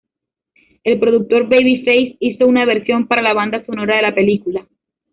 El productor Babyface hizo una versión para la banda sonora de la película.